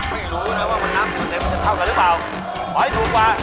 ไม่รู้นะว่ามันน้ำ๑๐มันจะเท่ากันหรือเปล่า